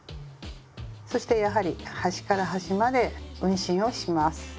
そしてやはり端から端まで運針をします。